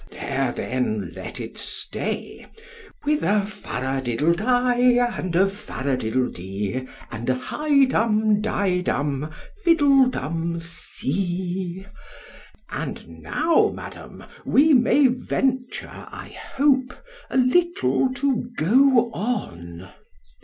——There then let it stay, with a Fa ra diddle di and a fa ri diddle d and a high dum—dye dum fiddle dumb c. And now, Madam, we may venture, I hope a little to go on.